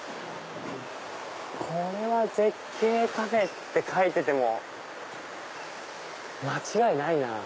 これは絶景カフェって書いてても間違いないな。